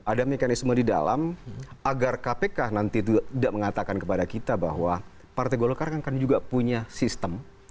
ada mekanisme di dalam agar kpk nanti tidak mengatakan kepada kita bahwa partai golkar akan juga punya sistem